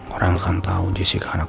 orang akan tahu jessica anak saya